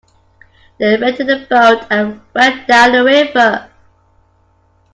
They rented a boat and went down the river.